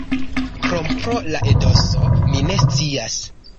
Krom pro la etoso, mi ne scias.